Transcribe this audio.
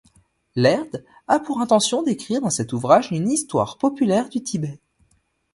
Laird a pour intention d'écrire dans cet ouvrage une histoire populaire du Tibet.